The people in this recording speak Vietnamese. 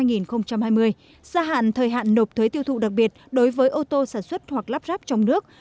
giảm thời hạn nộp thuế tiêu thụ đặc biệt đối với ô tô sản xuất hoặc lắp ráp trong nước